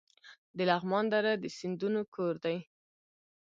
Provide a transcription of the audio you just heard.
د لغمان دره د سیندونو کور دی